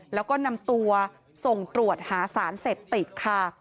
แล้วก็นำตัวส่งตรวจหาสารเสพติดค่ะ